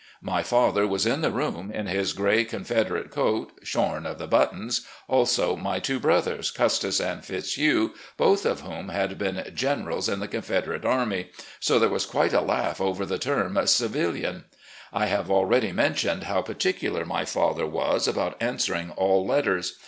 My father was in the room in his gray Confederate 246 RECOLLECTIONS OF GENERAL LEE coat, shorn of the buttons ; also my two brothers, Custis and Fitzhugh, both of whom had been generals in the Confederate Army; so there was quite a laugh over the term civilian. I have already mentioned how particular my father was about answering all letters.